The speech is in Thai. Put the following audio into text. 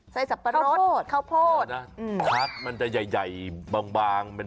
ไส้สัปปะโหลดเข้าโพดค่ะมันจะใหญ่บางบาง